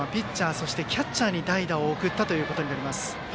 そして、キャッチャーに代打を送ったことになります。